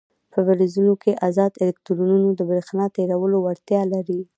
په فلزونو کې ازاد الکترونونه د برېښنا تیرولو وړتیا لري.